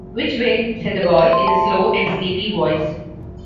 ‘Which way?’ said the boy, in a slow and sleepy voice.